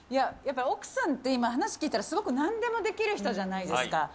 やっぱり奥さんって、今、話聞いたら、すごくなんでもできる人じゃないですか。